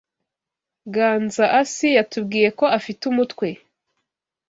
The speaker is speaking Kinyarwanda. Ganzaasi yatubwiye ko afite umutwe.